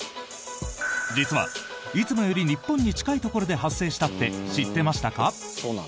実は、いつもより日本に近いところで発生したって知ってましたか？